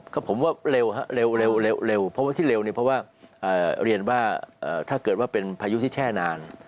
ก็ผมว่าเร็วฮะเร็วเพราะว่าที่เร็วเนี่ยเพราะว่าเรียนว่าถ้าเกิดว่าเป็นพายุที่แช่นาน